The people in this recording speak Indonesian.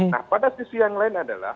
nah pada sisi yang lain adalah